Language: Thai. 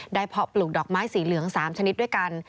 เพาะปลูกดอกไม้สีเหลือง๓ชนิดด้วยกัน